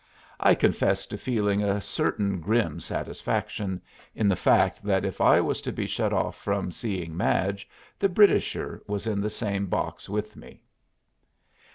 I confess to feeling a certain grim satisfaction in the fact that if I was to be shut off from seeing Madge, the Britisher was in the same box with me.